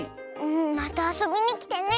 またあそびにきてね！